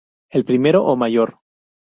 El primero, o mayor.